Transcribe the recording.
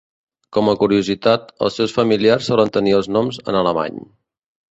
Com a curiositat, els seus familiars solen tenir els noms en alemany.